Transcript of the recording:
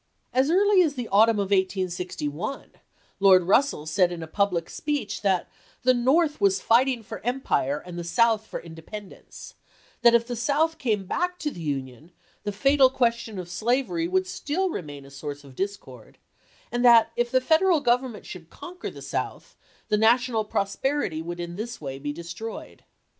As early as the autumn of 1861 Lord Russell said in a public speech that the " North was fighting for empire and the South for independence "; that if the South came back to the Union the fatal question of slavery would still remain a source of discord, and that if the Federal Government should conquer the South, the national prosperity would in this way be destroyed.